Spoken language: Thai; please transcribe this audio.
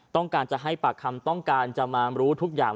ต้องการจะให้ปากคำต้องการจะมารู้ทุกอย่าง